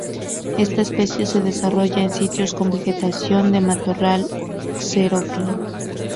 Esta especie se desarrolla en sitios con vegetación de matorral xerófilo.